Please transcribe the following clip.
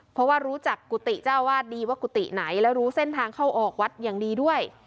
เพราะว่ารู้จักกุฏิเจ้าวาดดีว่ากุฏิไหนแล้วรู้เส้นทางเข้าออกวัดอย่างดีด้วย